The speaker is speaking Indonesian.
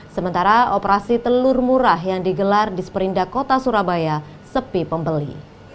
sementara operasi telur murah yang digelar di sperindak kota surabaya sepi pembeli